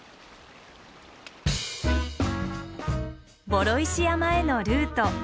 双石山へのルート。